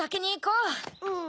うん。